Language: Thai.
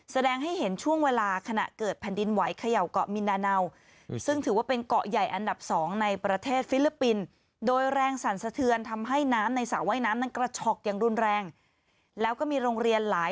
แสดงให้เห็นช่วงเวลาขณะเกิดแผ่นดินไหวเขย่ากเกาะมินดาเนา